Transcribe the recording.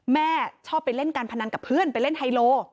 แม่ชอบไปเล่นการพนันกับเพื่อนไปเล่นไฮโล